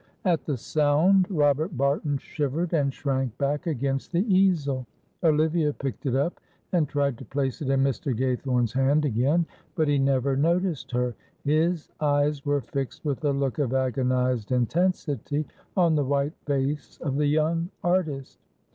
At the sound, Robert Barton shivered and shrank back against the easel. Olivia picked it up, and tried to place it in Mr. Gaythorne's hand again, but he never noticed her. His eyes were fixed with a look of agonised intensity on the white face of the young artist.